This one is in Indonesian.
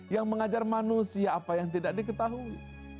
yang mengajar manusia apa yang tidak diketahui